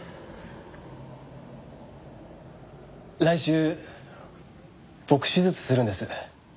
来週僕手術するんです。